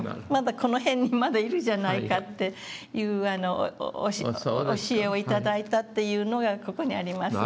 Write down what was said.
この辺にまだいるじゃないかっていう教えを頂いたっていうのがここにありますの。